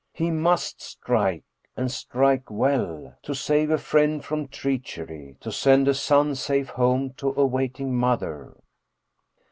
He must strike, and strike well, to save a friend from treachery, to send a son safe home to a waiting mother.